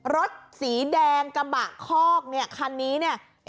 รถสีแดงกระบะคอกเนี่ยคันนี้เนี่ย